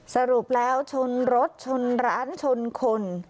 สรุปแล้วชนรถชนร้านชนคน